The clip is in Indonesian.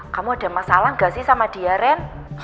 kamu ada masalah gak sih sama dia ren